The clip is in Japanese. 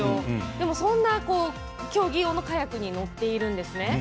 でも、そんな競技用のカヤックに乗っているんですね。